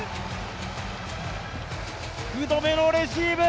福留のレシーブ。